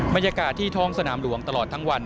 บรรยากาศที่ท้องสนามหลวงตลอดทั้งวัน